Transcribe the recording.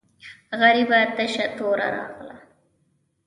غریبه تشه توره راغله.